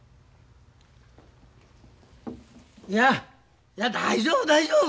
いやいや大丈夫大丈夫。